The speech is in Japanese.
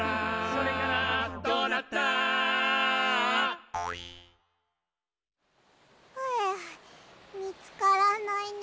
「どうなった？」はあみつからないね。